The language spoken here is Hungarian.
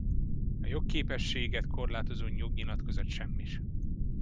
A jogképességet korlátozó jognyilatkozat semmis.